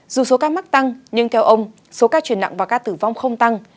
dù số ca mắc tăng nhưng theo ông số ca truyền nặng và ca tử vong không tăng